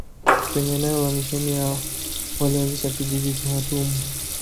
Kwenye eneo la misheni yao walianzisha kijiji cha watumwa